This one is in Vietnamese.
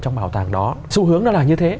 trong bảo tàng đó xu hướng nó là như thế